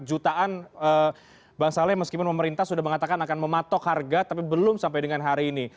jutaan bang saleh meskipun pemerintah sudah mengatakan akan mematok harga tapi belum sampai dengan hari ini